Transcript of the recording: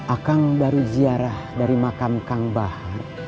akang baru ziarah dari makam kang bah